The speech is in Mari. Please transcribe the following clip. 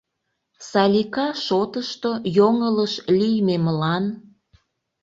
Салика шотышто йоҥылыш лиймемлан...